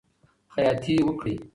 خیاطی وکړئ.